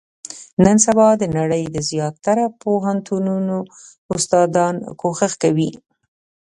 نن سبا، د نړۍ د زیاتره پوهنتونو استادان، کوښښ کوي.